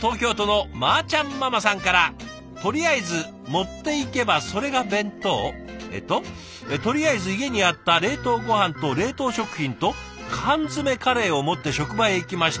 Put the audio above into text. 続いてはえっと「とりあえず家にあった冷凍ごはんと冷凍食品と缶詰カレーを持って職場へ行きました」。